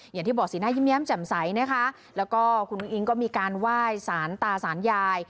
อย่างที่บอกสีหน้ายิ้มแย้มแจ่มใสนะคะแล้วก็คุณอุ้งอิงก็มีการไหว้สารตาสารยาย